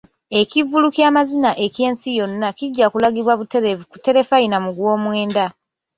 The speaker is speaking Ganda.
Ekivvulu ky'amazina eky'ensi yonna kijja kulagibwa butereevu ku terefayina mu gw'omwenda.